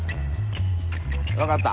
分かった。